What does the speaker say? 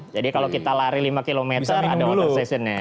jadi kalau kita lari lima km ada water stationnya